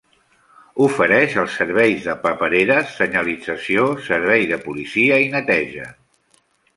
Ofereix els serveis de papereres, senyalització, servei de policia i neteja.